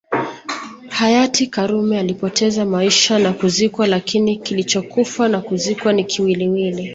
Hayati karume alipoteza maisha na kuzikwa lakini kichokufa na kuzikwa ni kiwiliwili